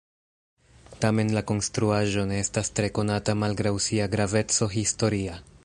Tamen la konstruaĵo ne estas tre konata malgraŭ sia graveco historia.